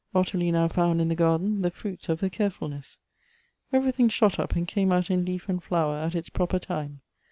Ottilie now found in the garden the fruits of her carefulness. Everything shot up and came out in leaf and flower at its proper time.